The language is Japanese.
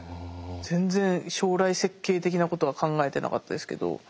全然将来設計的なことは考えてなかったですけど。